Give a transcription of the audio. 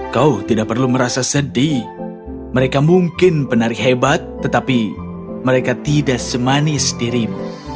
kau tidak perlu merasa sedih mereka mungkin penari hebat tetapi mereka tidak semanis dirimu